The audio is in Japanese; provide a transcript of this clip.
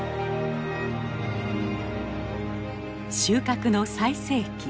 収穫の最盛期。